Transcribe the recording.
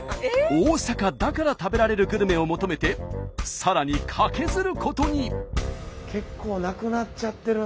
大阪だから食べられるグルメを求めてさらにカケズることに。